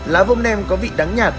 lá vông nem có vị đắng nhạt